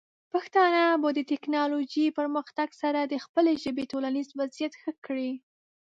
پښتانه به د ټیکنالوجۍ پرمختګ سره د خپلې ژبې ټولنیز وضعیت ښه کړي.